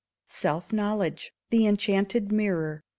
_Self Knowledge The Enchanted Mirror.